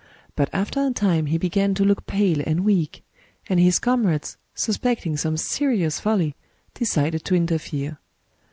But after a time he began to look pale and weak; and his comrades, sus pecting some serious folly, decided to interfere.